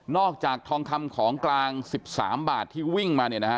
อกจากทองคำของกลาง๑๓บาทที่วิ่งมาเนี่ยนะฮะ